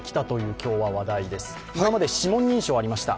今まで指紋認証がありました。